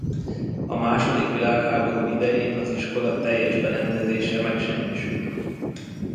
A második világháború idején az iskola teljes berendezése megsemmisült.